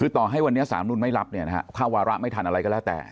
คือต่อให้วันนี้๓นุนไม่รับเข้าวาระไม่ทันอะไรก็แล้วแต่